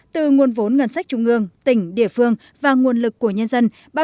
từ nguồn vốn ngân sách trung ương tỉnh địa phương và nguồn lực của nhân dân